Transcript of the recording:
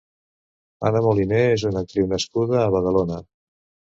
Anna Moliner és una actriu nascuda a Badalona.